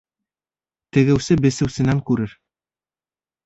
Тегеүсе бесеүсенән күрер.